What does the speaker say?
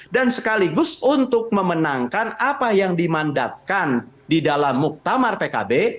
dan sekaligus untuk memenangkan apa yang dimandatkan di dalam muktamar pkb